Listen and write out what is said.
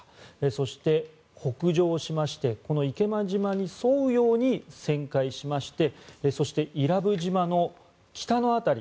そして、北上しましてこの池間島に沿うように旋回しましてそして、伊良部島の北の辺り